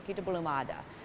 kita belum ada